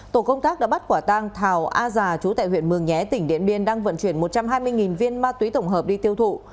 tổ công tác đã bắt quả tang thảo a già chú tại huyện mường nhé tỉnh điện biên đang vận chuyển một trăm hai mươi viên ma túy tổng hợp đi tiêu thụ